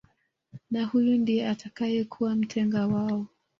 Na huyu ndiye atakayekuwa mtenga wao